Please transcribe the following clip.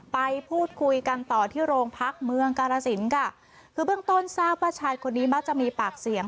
ไปพูดคุยกันต่อที่โรงพักเมืองกาลสินค่ะคือเบื้องต้นทราบว่าชายคนนี้มักจะมีปากเสียง